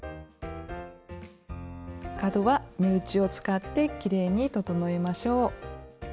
角は目打ちを使ってきれいに整えましょう。